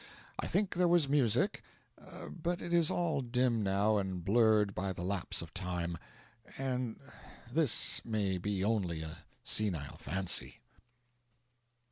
I think there was music; but it is all dim now and blurred by the lapse of time, and this may be only a senile fancy.